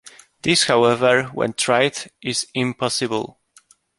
This however, when tried, is impossible.